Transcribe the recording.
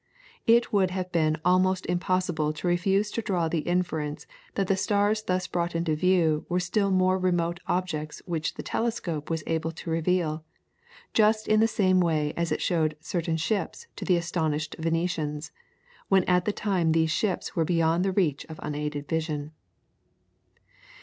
It would have been almost impossible to refuse to draw the inference that the stars thus brought into view were still more remote objects which the telescope was able to reveal, just in the same way as it showed certain ships to the astonished Venetians, when at the time these ships were beyond the reach of unaided vision.